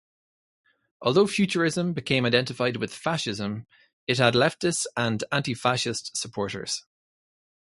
Although Futurism became identified with Fascism, it had leftist and anti-Fascist supporters.